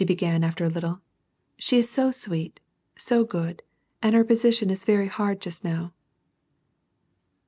125 began after a little. " She is so sweet, so good ! and her posi tion is Yeiy hard just now."